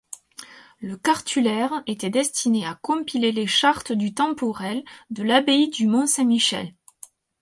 Le cartulaire était destiné à compiler les chartes du temporel de l'abbaye du Mont-Saint-Michel.